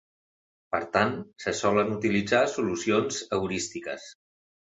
Per tant, se solen utilitzar solucions heurístiques.